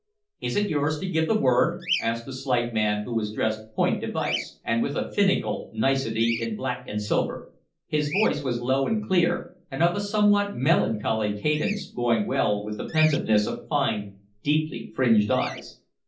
"Is it yours to give the word?" asked the slight man, who was dressed point device, and with a finical nicety, in black and silver. His voice was low and clear, and of a somewhat melancholy cadence, going well with the pensiveness of fine, deeply fringed eyes.